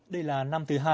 đây là năm thứ hai